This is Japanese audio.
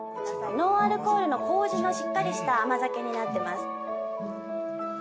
ノンアルコールのこうじのしっかりした甘酒になってます。